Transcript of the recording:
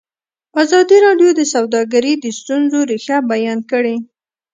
ازادي راډیو د سوداګري د ستونزو رېښه بیان کړې.